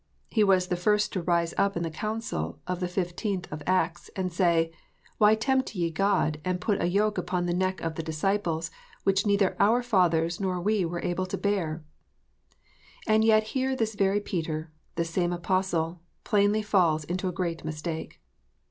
He was the first to rise up in the Council of the fifteenth of Acts, and say, "Why tempt ye God, to put a yoke upon the neck of the disciples, which neither our fathers nor we were able to bear ?" And yet here this very Peter, this same Apostle, plainly falls into a great mistake.